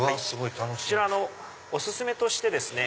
こちらお薦めとしてですね